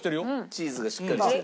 チーズがしっかりしてる？